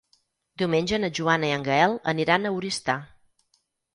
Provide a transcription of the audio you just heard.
Diumenge na Joana i en Gaël aniran a Oristà.